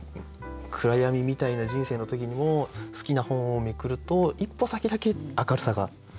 暗闇みたいな人生の時にも好きな本をめくると一歩先だけ明るさが。